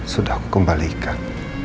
sudah aku kembalikan